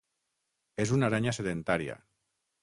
És una aranya sedentària.